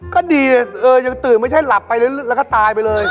ก็ดีเออยังตื่นไม่ใช่หลับไปแล้วก็ตายไปเลย